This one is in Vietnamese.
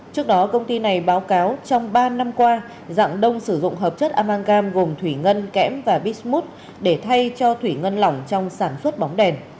trước đó công ty này báo cáo trong ba năm qua dạng đông sử dụng hợp chất amagam gồm thủy ngân kẽm và bismood để thay cho thủy ngân lỏng trong sản xuất bóng đèn